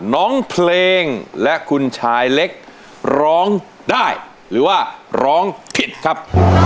น้องเพลงและคุณชายเล็กร้องได้หรือว่าร้องผิดครับ